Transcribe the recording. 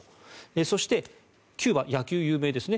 そして、キューバ野球有名ですね。